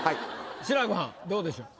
志らくはんどうでしょう？